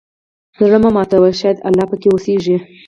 زړه مه ماتوه، شاید الله پکې اوسېږي.